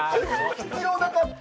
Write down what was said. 必要なかった？